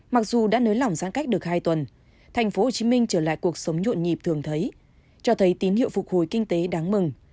mặc dù đã nới lỏng giãn cách được hai tuần tp hcm trở lại cuộc sống nhuộn nhịp thường thấy cho thấy tín hiệu phục hồi kinh tế đáng mừng